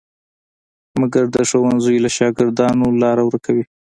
مګر د ښوونځیو له شاګردانو لاره ورکوي.